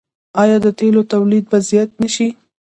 آیا د تیلو تولید به زیات نشي؟